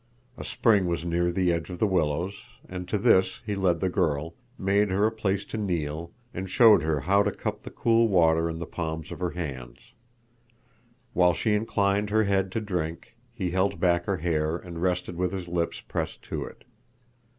A spring was near the edge of the willows, and to this he led the girl, made her a place to kneel, and showed her how to cup the cool water in the palms of her hands. While she inclined her head to drink, he held back her hair and rested with his lips pressed to it.